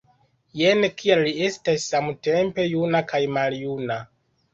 Jen kial li estas samtempe juna kaj maljuna.